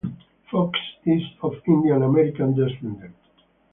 Fox is of Indian American descent.